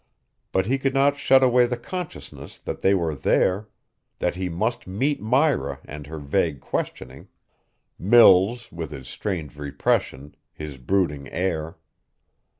But he could not shut away the consciousness that they were there, that he must meet Myra and her vague questioning, Mills with his strange repression, his brooding air.